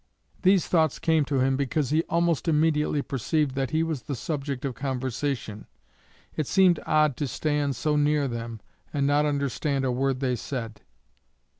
These thoughts came to him because he almost immediately perceived that he was the subject of conversation. It seemed odd to stand so near them and not understand a word they said.